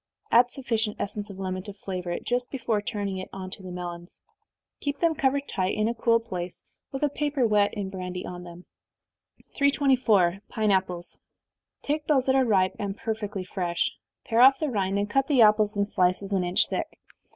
Add sufficient essence of lemon to flavor it, just before turning it on to the melons. Keep them covered tight, in a cool place, with a paper wet in brandy on them. 324. Pine Apples. Take those that are ripe, and perfectly fresh pare off the rind, and cut the apples in slices an inch thick.